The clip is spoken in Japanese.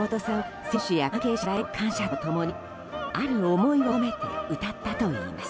感謝と共に、ある思いを込めて歌ったといいます。